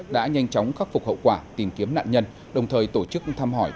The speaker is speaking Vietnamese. đã nhanh chóng khắc phục hậu quả tìm kiếm nạn nhân đồng thời tổ chức thăm hỏi